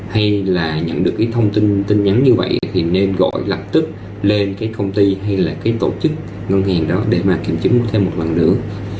hay là nhận được cái thông tin tin nhắn như vậy thì nên gọi lập tức lên cái công ty hay là cái tổ chức ngân hàng đó để mà kiểm chứng thêm một lần nữa